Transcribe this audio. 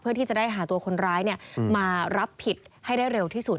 เพื่อที่จะได้หาตัวคนร้ายมารับผิดให้ได้เร็วที่สุด